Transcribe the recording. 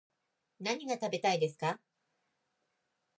何が食べたいですか